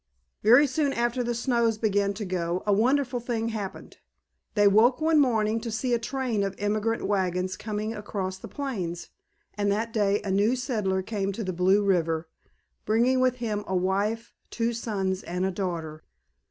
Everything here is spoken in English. Very soon after the snows began to go a wonderful thing happened. They woke one morning to see a train of emigrant wagons coming across the plains, and that day a new settler came to the Blue River, bringing with him a wife, two sons and a daughter.